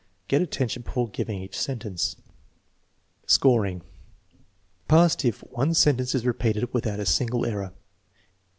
Get attention before giving each sentence. Scoring. Passed if one sentence is repeated without a single error.